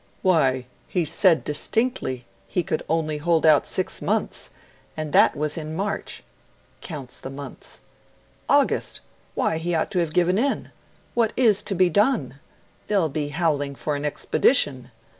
'Why, HE SAID DISTINCTLY he could ONLY hold out SIX MONTHS, and that was in March (counts the months). August! why, he ought to have given in! What is to be done? They'll be howling for an expedition....